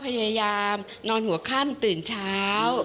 พยายามนอนหัวค่ำตื่นเช้า